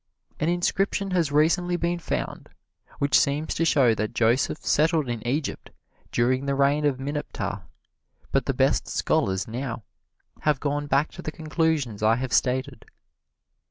An inscription has recently been found which seems to show that Joseph settled in Egypt during the reign of Mineptah, but the best scholars now have gone back to the conclusions I have stated.